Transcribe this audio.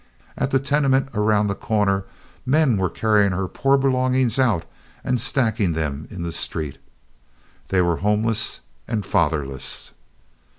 At the tenement around the corner men were carrying her poor belongings out and stacking them in the street. They were homeless and fatherless.